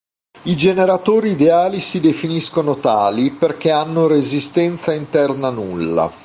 I generatori ideali si definiscono tali perché hanno resistenza interna nulla.